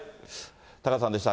タカさんでした。